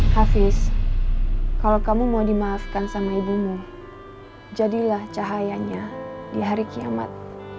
hafiz kalau kamu mau dimaafkan sama ibumu jadilah cahayanya di hari kiamat